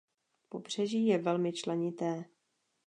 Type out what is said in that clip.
Pobřeží je velmi členité.